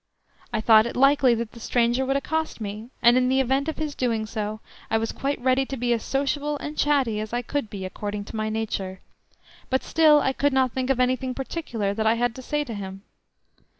I thought it likely that the stranger would accost me, and in the event of his doing so I was quite ready to be as sociable and chatty as I could be according to my nature; but still I could not think of anything particular that I had to say to him.